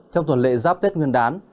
trong tuần lệ giáp tết nguyên đán